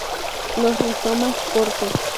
Los rizomas cortos.